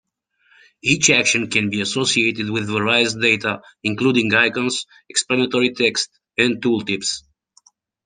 Each action can be associated with various data including icons, explanatory text, and tooltips.